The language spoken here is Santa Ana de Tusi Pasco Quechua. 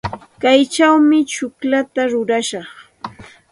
Kaychawmi tsukllata rurashaq.